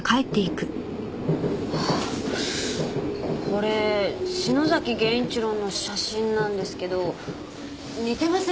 あっこれ篠崎源一郎の写真なんですけど似てません？